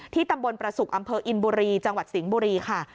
ตำบลประสุกอำเภออินบุรีจังหวัดสิงห์บุรีค่ะ